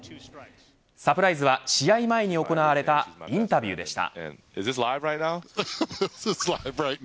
サプライズは試合前に行われたインタビューでした。